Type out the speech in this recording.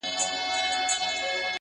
زه مي له ژونده په اووه قرآنه کرکه لرم.